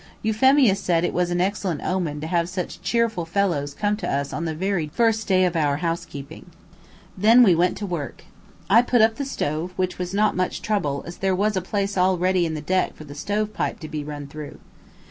Euphemia said it was an excellent omen to have such cheerful fellows come to us on the very first day of our housekeeping. Then we went to work. I put up the stove, which was not much trouble, as there was a place all ready in the deck for the stove pipe to be run through.